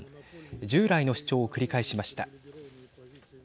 従来の主張を繰り返しました。